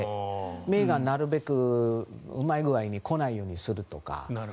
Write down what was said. メーガンはなるべくうまい具合に来ないようにするとか。